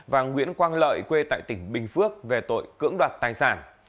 và nguyễn quang lợi quê tại tỉnh bình phước về tội cưỡng đoạt tài sản